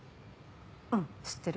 うん知ってる。